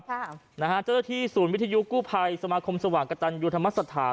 เจ้าหน้าที่ศูนย์วิทยุกู้ภัยสมาคมสว่างกระตันยูธรรมสถาน